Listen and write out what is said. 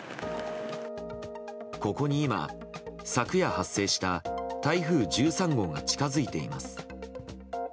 ここに今、昨夜発生した台風１３号が近づいています。